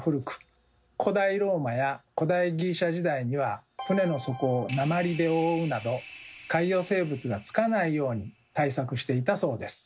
古代ローマや古代ギリシャ時代には船の底を鉛で覆うなど海洋生物が付かないように対策していたそうです。